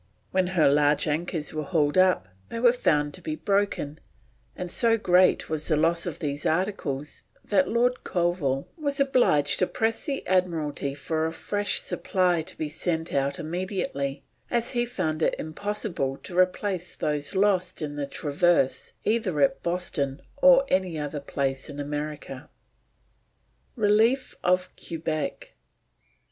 When her large anchors were hauled up they were found to be broken; and so great was the loss of these articles that Lord Colville was obliged to press the Admiralty for a fresh supply to be sent out immediately, as he found it impossible to replace those lost in the Traverse either at Boston or any other place in America. RELIEF OF QUEBEC.